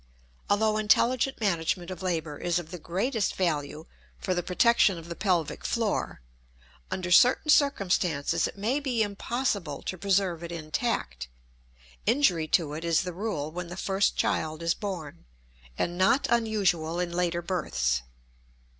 Although intelligent management of labor is of the greatest value for the protection of the pelvic floor, under certain circumstances it may be impossible to preserve it intact; injury to it is the rule when the first child is born, and not unusual in later births.